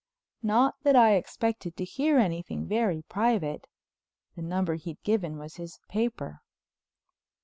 Not that I expected to hear anything very private. The number he'd given was his paper.